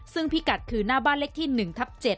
ซึ่งพิกัดคือหน้าบ้านเลขที่๑ทับ๗